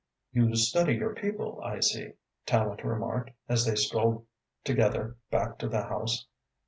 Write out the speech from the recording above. "You study your people, I see," Tallente remarked, as they strolled together back to the house.